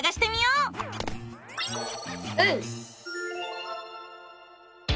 うん！